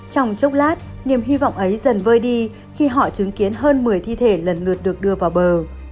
trong chốc lát niềm hy vọng ấy dần vơi đi khi họ chứng kiến hơn một mươi thi thể lần lượt được đưa vào bờ